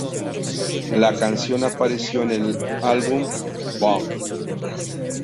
La canción apareció en el álbum "¡Bang!